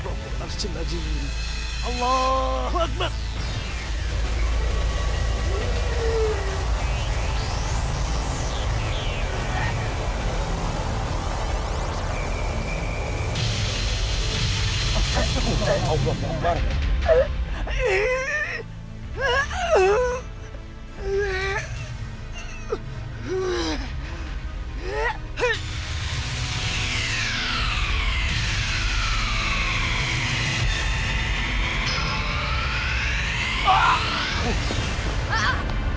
wa rahmatullahi wa barakatuhu